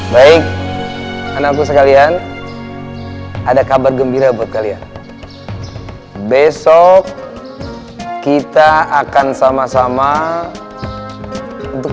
baik anakku sekalian ada kabar gembira buat kalian besok kita akan sama sama untuk